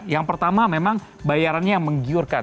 yang pertama memang bayarannya yang menggiurkan